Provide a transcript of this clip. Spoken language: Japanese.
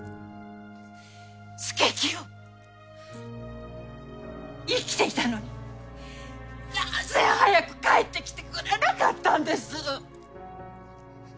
佐清生きていたのになぜ早く帰ってきてくれなかったんです？